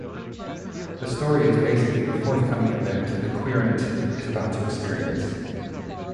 The story is basically the forthcoming event the querent is about to experience.